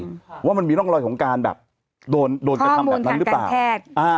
อืมว่ามันมีร่องรอยของการแบบโดนโดนกระทำแบบนั้นหรือเปล่า